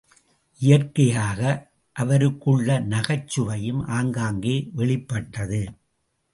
இயற்கையாக அவருக்குள்ள நகைச்சுவையும் ஆங்காங்கே வெளிப்பட்டது.